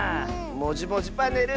「もじもじパネル」